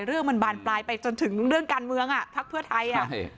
เรื่องมันบานปลายไปจนถึงเรื่องการเมืองอ่ะพักเพื่อไทยอ่ะใช่